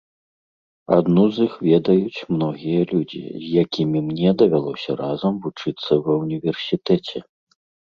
Адну з іх ведаюць многія людзі, з якімі мне давялося разам вучыцца ва ўніверсітэце.